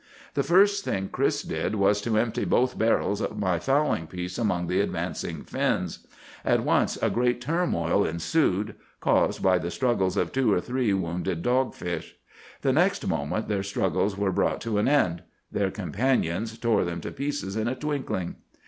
"The first thing Chris did was to empty both barrels of my fowling piece among the advancing fins. At once a great turmoil ensued, caused by the struggles of two or three wounded dogfish. The next moment their struggles were brought to an end. Their companions tore them to pieces in a twinkling.